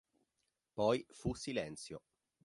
Poi fu silenzio.